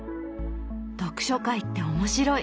読書会って面白い！